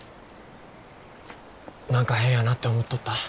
何か変やなって思っとった？